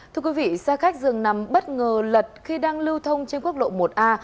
thưa quý vị xe khách dường nằm bất ngờ lật khi đang lưu thông trên quốc lộ một a